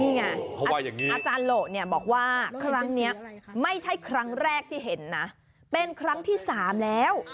นี่ไงเพราะว่าอาจารย์โหลบอกว่าครั้งนี้ไม่ใช่ครั้งแรกที่เห็นนะเป็นครั้งที่๓แล้ว